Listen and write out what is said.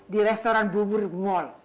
di restoran bubur mall